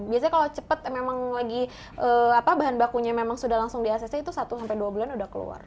biasanya kalau cepet memang lagi bahan bakunya sudah langsung di acc itu satu dua bulan sudah keluar